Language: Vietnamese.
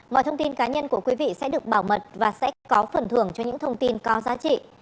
mọi thông tin cá nhân của quý vị sẽ được bảo mật và sẽ có phần thưởng cho những thông tin có giá trị